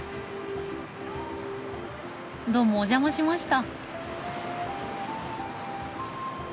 どうもお邪魔しました。